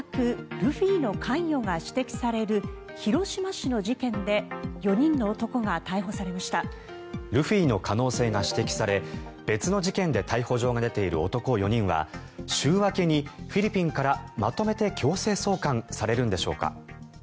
ルフィの可能性が指摘され別の事件で逮捕状が出ている男４人は週明けにフィリピンからまとめて強制送還されるんでしょうか。